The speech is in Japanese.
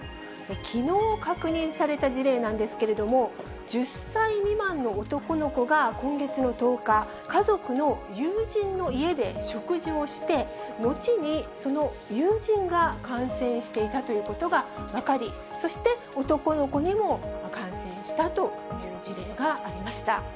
きのう確認された事例なんですけれども、１０歳未満の男の子が今月の１０日、家族の友人の家で食事をして、のちにその友人が感染していたということが分かり、そして男の子にも感染したという事例がありました。